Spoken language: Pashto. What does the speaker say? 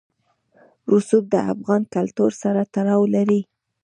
رسوب د افغان کلتور سره تړاو لري.